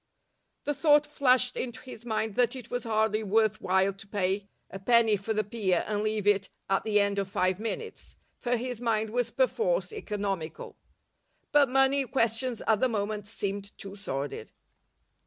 The thought flashed into his mind that it was hardly worth while to pay a penny for the pier and leave it at the end of five minutes, for his mind was perforce economical. But money questions at the moment seemed too sordid.